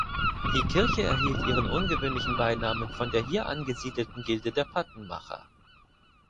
Die Kirche erhielt ihren ungewöhnlichen Beinamen von der hier angesiedelten Gilde der Pattenmacher.